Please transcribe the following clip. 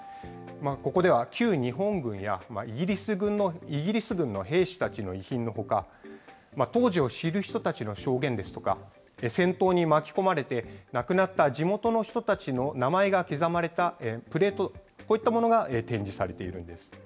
ここでは、旧日本軍やイギリス軍の兵士たちの遺品のほか、当時を知る人たちの証言ですとか、戦闘に巻き込まれて亡くなった地元の人たちの名前が刻まれたプレート、こういったものが展示されているんです。